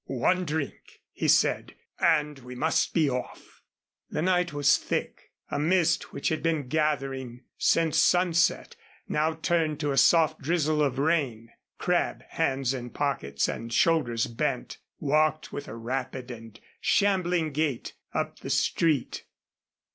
"One drink," he said, "and we must be off." The night was thick. A mist which had been gathering since sunset now turned to a soft drizzle of rain. Crabb, hands in pockets and shoulders bent, walked with a rapid and shambling gait up the street.